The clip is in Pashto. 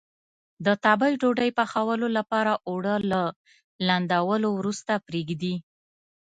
د تبۍ ډوډۍ پخولو لپاره اوړه له لندولو وروسته پرېږدي.